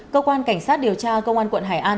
cơ quan cảnh sát điều tra công an quận hải an